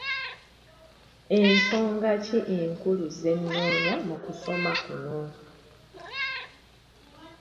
Ensonga ki enkulu ze nnoonya mu kusoma kuno?